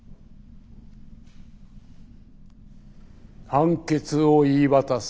判決を言い渡す。